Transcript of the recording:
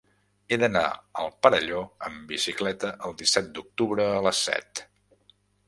He d'anar al Perelló amb bicicleta el disset d'octubre a les set.